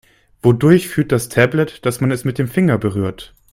Wodurch fühlt das Tablet, dass man es mit dem Finger berührt?